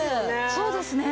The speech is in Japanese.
そうですね。